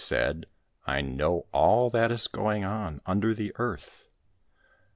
—" Now," said he, "I know all that is going on under the earth."